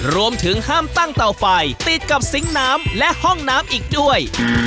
รวมถึงห้ามตั้งเตาไฟติดกับสิงค์น้ำและห้องน้ำอีกด้วย